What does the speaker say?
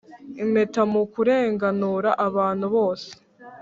impeta mu kurenganura abantu bose.